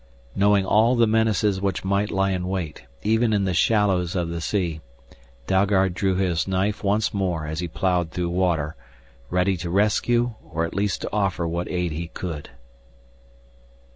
Knowing all the menaces which might lie in wait, even in the shallows of the sea, Dalgard drew his knife once more as he plowed through water ready to rescue or at least to offer what aid he could.